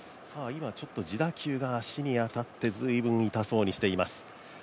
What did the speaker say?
自打球が肘に当たってずいぶん痛そうにしています。